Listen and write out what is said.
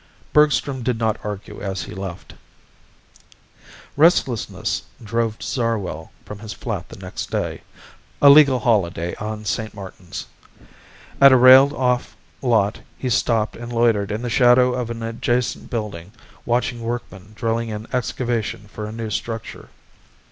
Bergstrom did not argue as he left. Restlessness drove Zarwell from his flat the next day a legal holiday on St. Martin's. At a railed off lot he stopped and loitered in the shadow of an adjacent building watching workmen drilling an excavation for a new structure.